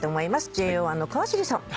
ＪＯ１の川尻さん。